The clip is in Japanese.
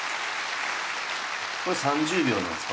これ３０秒なんすか？